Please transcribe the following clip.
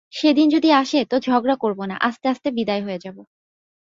সেদিন যদি আসে তো ঝগড়া করব না, আস্তে আস্তে বিদায় হয়ে যাব।